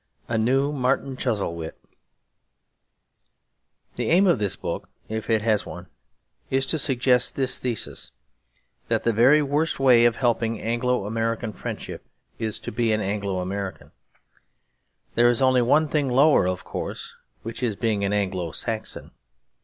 A New Martin Chuzzlewit The aim of this book, if it has one, is to suggest this thesis; that the very worst way of helping Anglo American friendship is to be an Anglo American. There is only one thing lower, of course, which is being an Anglo Saxon.